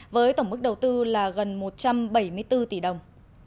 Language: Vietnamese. với tổng mức đầu tư là gần một trăm bảy mươi bốn tỷ đồng